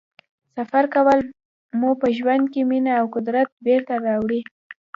سفر کول مو په ژوند کې مینه او قدرت بېرته راوړي.